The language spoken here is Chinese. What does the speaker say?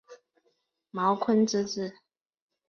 茅坤之子。